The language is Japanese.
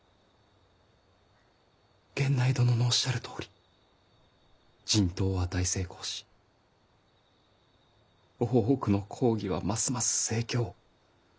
源内殿のおっしゃるとおり人痘は大成功し大奥の講義はますます盛況。